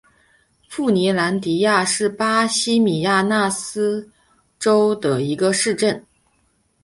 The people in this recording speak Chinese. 富尼兰迪亚是巴西米纳斯吉拉斯州的一个市镇。